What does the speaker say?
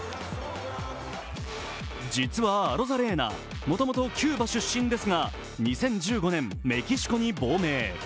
実はアロザレーナ、もともとキューバ出身ですが２０１５年、メキシコに亡命。